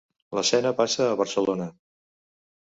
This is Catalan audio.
L'escena passa a Barcelona.